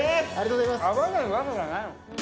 合わないわけがない。